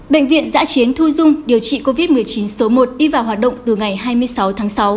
bệnh viện giã chiến thu dung điều trị covid một mươi chín số một đi vào hoạt động từ ngày hai mươi sáu tháng sáu